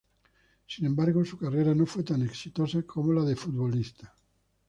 Sin embargo, su carrera no fue tan exitosa como la de futbolista.